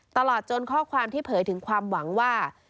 ตลอดจนข้อความที่เผยถึงความหวังว่า